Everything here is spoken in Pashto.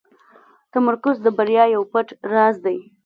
تمرکز د بریا یو پټ راز دی.